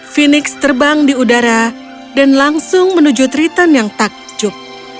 phoenix terbang di udara dan langsung menuju triton yang takjub